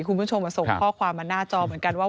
คุณผู้ชมส่งข้อความมาหน้าจอเหมือนกันว่า